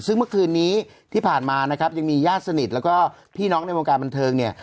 ซึ่งเมื่อคืนนี้ที่ผ่านมานะครับยังมีญาติสนิทแล้วก็พี่น้องในวงการบันเทิงเนี่ย